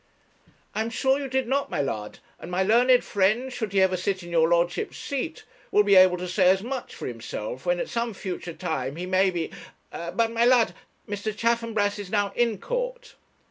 'I am sure you did not, my lud; and my learned friend, should he ever sit in your ludship's seat, will be able to say as much for himself, when at some future time he may be ; but, my lud, Mr. Chaffanbrass is now in court.'